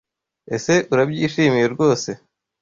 Ese Urabyishimiye rwose?